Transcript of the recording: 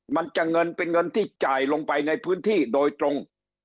มันจะเงินเป็นเงินที่จ่ายลงไปในพื้นที่โดยตรง